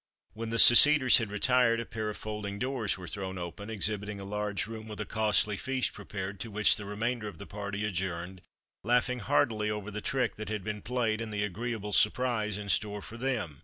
When the seceders had retired, a pair of folding doors were thrown open, exhibiting a large room with a costly feast prepared, to which the remainder of the party adjourned, laughing heartily over the trick that had been played and the agreeable surprise in store for them.